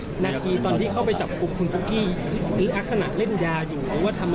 นักทีตอนที่เข้าไปจับคุณปุ๊กกี้อักษณะเล่นยาอยู่หรือว่าทำอะไร